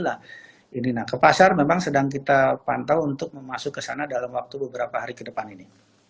nah ini nah ke pasar memang sedang kita pantau untuk memasuk kesana dalam waktu beberapa hari ke depan ini